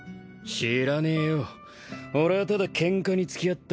知らねえよ。俺はただケンカに付き合っただけでえ。